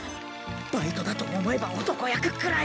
バイトだと思えば男役くらい